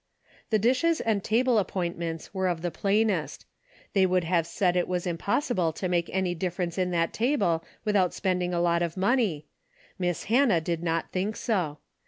The dishes and table appointments were of the plainest. Many would have said it was im possible to make any dilference in that table without spending a lot of money. Miss Han nah did not think so.